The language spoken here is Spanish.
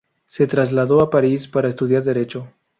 Se trasladó a París para estudiar Derecho.